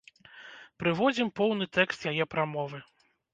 Прыводзім поўны тэкст яе прамовы.